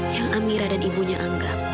yang amira dan ibunya anggap